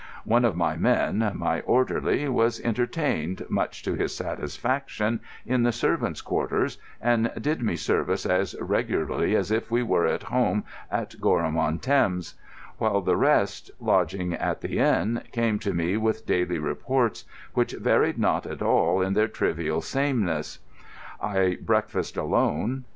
One of my men, my orderly, was entertained, much to his satisfaction, in the servants' quarters, and did me service as regularly as if we were at home at Goreham on Thames; while the rest, lodging at the inn, came to me with daily reports, which varied not at all in their trivial sameness. I breakfasted alone.